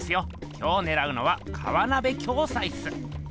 今日ねらうのは河鍋暁斎っす。